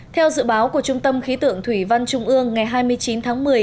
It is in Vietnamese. theo dự báo của trung tâm khí tượng thủy văn trung ương ngày hai mươi chín tháng một mươi